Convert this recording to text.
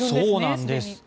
そうなんです。